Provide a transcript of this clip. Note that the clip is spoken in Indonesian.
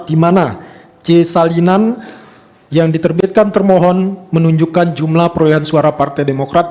di mana c salinan yang diterbitkan termohon menunjukkan jumlah perolehan suara partai demokrat